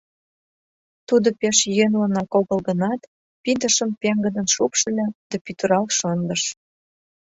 Тудо пеш йӧнлынак огыл гынат, пидышым пеҥгыдын шупшыльо да пӱтырал шындыш.